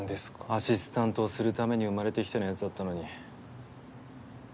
アシスタントをするために生まれてきたようなやつだったのに。